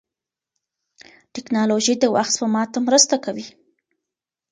ټکنالوژي د وخت سپما ته مرسته کوي.